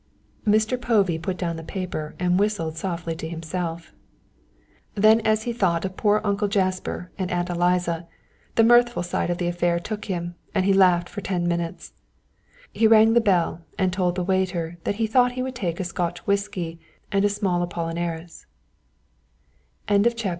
Mr. Povey put down the paper and whistled softly to himself. Then as he thought of poor Uncle Jasper and Aunt Eliza, the mirthful side of the affair took him and he laughed for ten minutes. He rang the bell and told the waiter that he thought he would take a Scotch whisky and a small Apollinaris. CHAPTER VII TREMOOR The morning of November the fifteenth dawned full of promise.